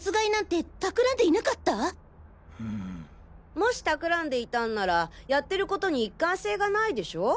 もし企んでいたんならやってることに一貫性がないでしょ？